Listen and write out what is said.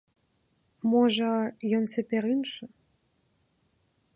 Можа, ён цяпер іншы.